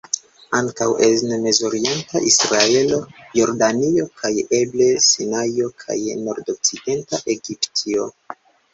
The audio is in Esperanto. Ankaŭ en Mezoriento, Israelo, Jordanio kaj eble Sinajo kaj Nordokcidenta Egiptio.